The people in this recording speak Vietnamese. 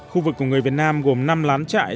khu vực của người việt nam gồm năm lán trại